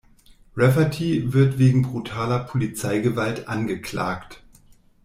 Rafferty wird wegen brutaler Polizeigewalt angeklagt.